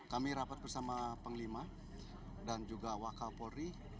kami rapat bersama penglima dan juga wakal polri